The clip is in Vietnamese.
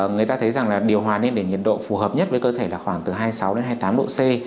người ta thấy rằng là điều hòa nên để nhiệt độ phù hợp nhất với cơ thể là khoảng từ hai mươi sáu đến hai mươi tám độ c